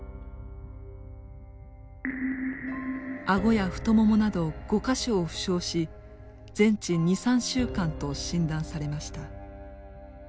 顎や太ももなど５か所を負傷し全治２３週間と診断されました。